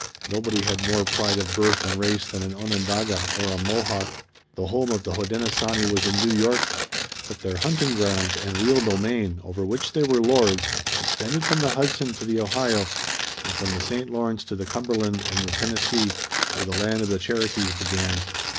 Nobody had more pride of birth and race than an Onondaga or a Mohawk. The home of the Hodenosaunee was in New York, but their hunting grounds and real domain, over which they were lords, extended from the Hudson to the Ohio and from the St. Lawrence to the Cumberland and the Tennessee, where the land of the Cherokees began.